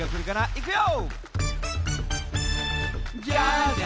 いくよ！